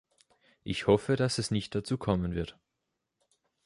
Ich hoffe, dass es nicht dazu kommen wird.